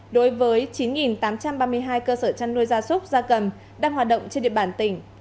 đối với chín tám trăm ba mươi hai cơ sở chăn nuôi gia súc gia cầm đang hoạt động trên địa bàn tỉnh